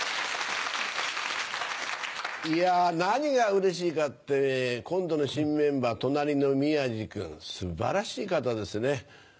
いや何がうれしいかって今度の新メンバー隣の宮治君素晴らしい方ですね。